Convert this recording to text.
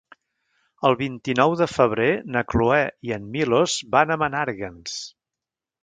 El vint-i-nou de febrer na Cloè i en Milos van a Menàrguens.